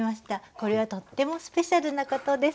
これはとってもスペシャルなことです。